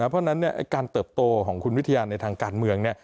เพราะฉะนั้นการเติบโตของคุณวิทยาในทางการเมือง